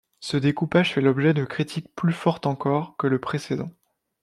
Ce découpage fait l'objet de critiques plus forte encore que le précédent.